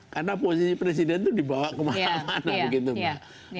karena posisi presiden itu dibawa kemana mana begitu mbak